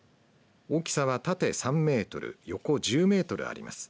大きさは縦３メートル横１０メートルあります。